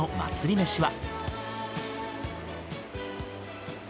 めしは。